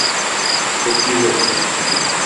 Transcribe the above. তো কী হয়েছে?